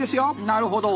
なるほど。